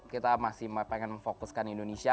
kita masih pengen memfokuskan indonesia